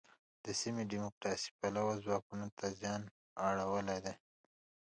د سیمې دیموکراسي پلوو ځواکونو ته زیان اړولی دی.